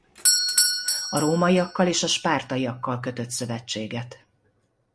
A rómaiakkal és a spártaiakkal kötött szövetséget.